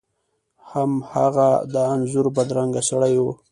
هغه هماغه د انځور بدرنګه سړی و.